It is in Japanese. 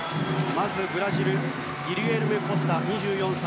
まずブラジルギリェルメ・コスタ、２４歳。